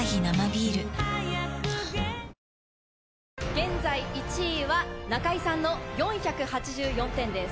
現在１位は中井さんの４８４点です。